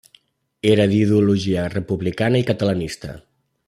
Era d'ideologia republicana i catalanista.